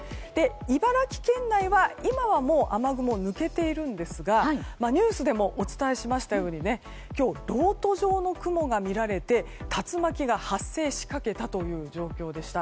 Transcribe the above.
茨城県内は今は雨雲が抜けていますがニュースでもお伝えしましたように今日、ろうと状の雲が見られて竜巻が発生しかけたという状況でした。